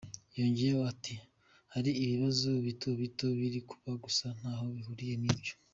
" Yongeyeho ati "Hari ibibazo bito bito biri kuba gusa ntaho bihuriye n’ibyo.